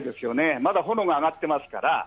まだ炎が上がってますから。